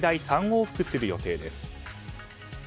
３往復する予定です。